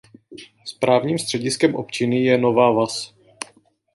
Správním střediskem občiny je Nova vas.